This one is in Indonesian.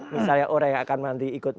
misalnya orang yang akan nanti ikut